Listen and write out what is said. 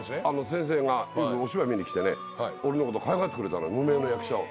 先生がお芝居見に来てね俺のことかわいがってくれたの無名の役者を。